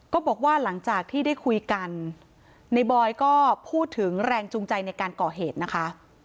ก็บอกว่าหลังจากที่ได้คุยกันในบอยก็พูดถึงแรงจูงใจในการก่อเหตุนะคะ